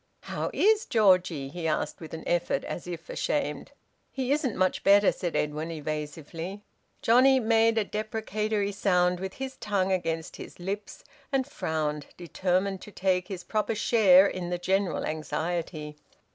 "How is Georgie?" he asked with an effort, as if ashamed. "He isn't much better," said Edwin evasively. Johnnie made a deprecatory sound with his tongue against his lips, and frowned, determined to take his proper share in the general anxiety.